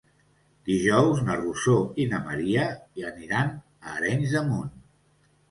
Dijous na Rosó i na Maria aniran a Arenys de Munt.